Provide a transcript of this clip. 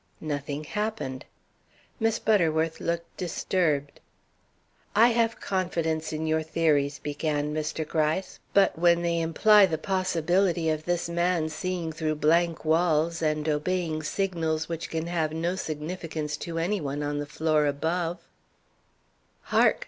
Nothing happened. Miss Butterworth looked disturbed. "I have confidence in your theories," began Mr. Gryce, "but when they imply the possibility of this man seeing through blank walls and obeying signals which can have no signification to any one on the floor above " "Hark!"